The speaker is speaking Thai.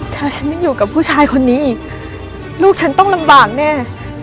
ถ้าฉันยังอยู่กับผู้ชายคนนี้อีกลูกฉันต้องลำบากแน่